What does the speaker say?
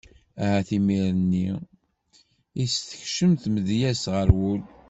Ahat imir-nni i s-tekcem tmedyazt ɣer wul.